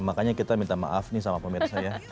makanya kita minta maaf nih sama pemerintah saya